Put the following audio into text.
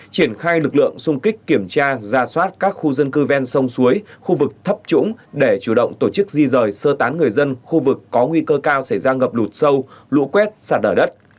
triển khai lực lượng xung kích kiểm tra ra soát các khu dân cư ven sông suối khu vực thấp trũng để chủ động tổ chức di rời sơ tán người dân khu vực có nguy cơ cao xảy ra ngập lụt sâu lũ quét sạt ở đất